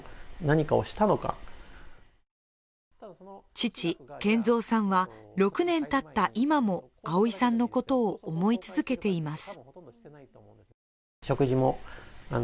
父・健三さんは６年たった今も碧さんのことを思い続けています。